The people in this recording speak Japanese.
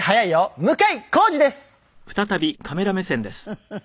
フフフフ。